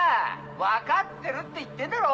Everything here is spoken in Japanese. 分かってるって言ってんだろ！